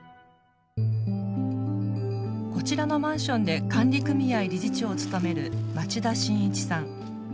こちらのマンションで管理組合理事長を務める町田信一さん。